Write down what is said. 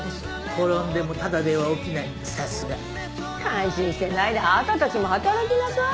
転んでもタダでは起きないさすが。感心してないであなたたちも働きなさい。